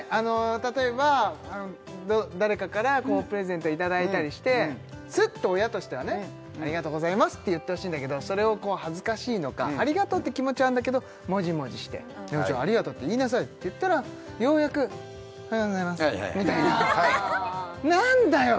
例えば誰かからプレゼントをいただいたりしてスッと親としてはね「ありがとうございます」って言ってほしいんだけどそれを恥ずかしいのか「ありがとう」って気持ちはあるんだけどモジモジして「ありがとうって言いなさい」って言ったらようやく「ありございます」みたいななんだよ！